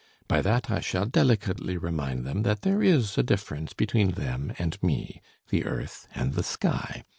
By that I shall delicately remind them that there is a difference between them and me. The earth and the sky.